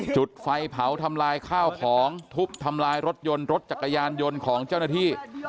จุดไฟเผาทำลายข้าวของทุบทำลายรถยนต์รถจักรยานยนต์ของเจ้าหน้าที่